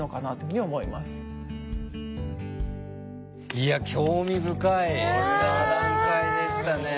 いや興味深い座談会でしたね。